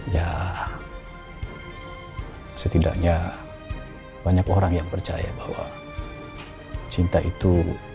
ya setidaknya banyak orang yang percaya bahwa cinta itu